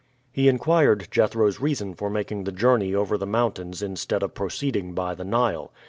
He inquired Jethro's reason for making the journey over the mountains instead of proceeding by the Nile.